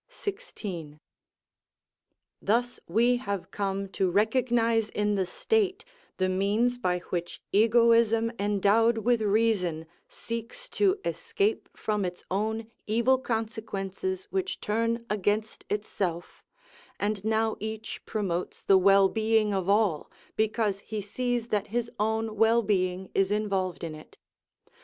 16). Thus we have come to recognise in the state the means by which egoism endowed with reason seeks to escape from its own evil consequences which turn against itself, and now each promotes the well being of all because he sees that his own well being is involved in it.